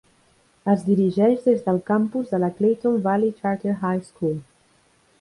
Es dirigeix des del campus de la Clayton Valley Charter High School.